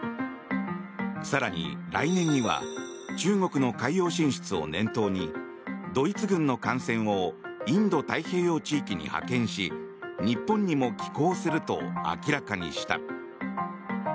更に、来年には中国の海洋進出を念頭にドイツ軍の艦船をインド太平洋地域に派遣し日本にも寄港すると明らかにした。